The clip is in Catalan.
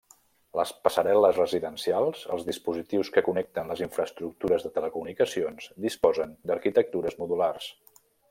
Les passarel·les residencials, els dispositius que connecten les infraestructures de telecomunicacions disposen d'arquitectures modulars.